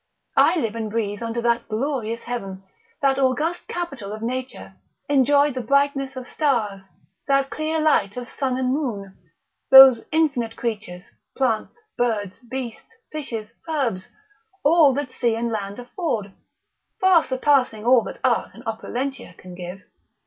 I live and breathe under that glorious heaven, that august capitol of nature, enjoy the brightness of stars, that clear light of sun and moon, those infinite creatures, plants, birds, beasts, fishes, herbs, all that sea and land afford, far surpassing all that art and opulentia can give.